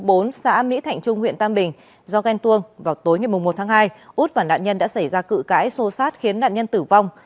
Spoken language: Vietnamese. ở xã mỹ thạnh trung huyện tam bình do ghen tuông vào tối ngày một tháng hai út và nạn nhân đã xảy ra cự cãi xô xát khiến nạn nhân tử vong